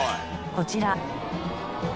こちら。